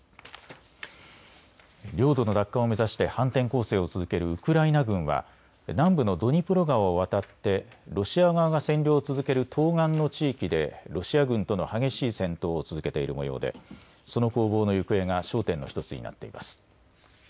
領土の奪還を目指して反転攻勢を続けるウクライナ軍は南部のドニプロ川を渡ってロシア側が占領を続ける東岸の地域でロシア軍との激しい戦闘を続けているもようでその攻防の行方が焦点の１つになっています。